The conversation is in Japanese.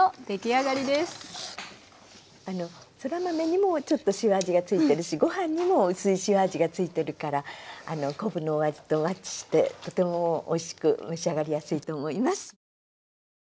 そら豆にもちょっと塩味が付いてるしご飯にも薄い塩味が付いてるから昆布のお味とマッチしてとてもおいしく召し上がりやすいと思います。